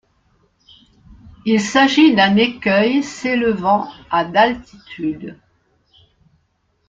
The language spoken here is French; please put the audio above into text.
Il s'agit d'un écueil s'élevant à d'altitude.